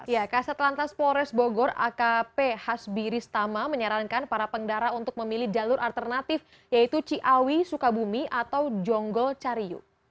ya kaset lantas polres bogor akp hasbiri stama menyarankan para pengendara untuk memilih jalur alternatif yaitu ciawi sukabumi atau jonggo cariw